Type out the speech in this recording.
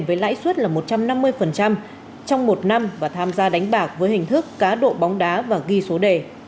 với lãi suất là một trăm năm mươi trong một năm và tham gia đánh bạc với hình thức cá độ bóng đá và ghi số đề